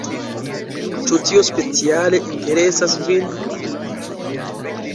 Ĉu tio speciale interesas vin?